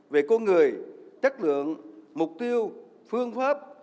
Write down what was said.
về con người chất lượng mục tiêu phương pháp